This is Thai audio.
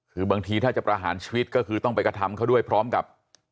คือบางทีถ้าจะประหารชีวิตก็คือต้องไปกระทำเขาด้วยพร้อมกับ